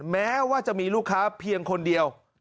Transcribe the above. แม้ว่าจะมีลูกค้าเพียงคนเดียว